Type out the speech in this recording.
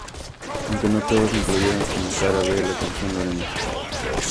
Aunque no todos incluyeron como cara B la canción Lorena.